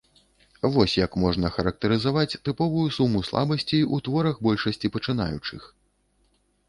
Вось як можна характарызаваць тыповую суму слабасцей у творах большасці пачынаючых.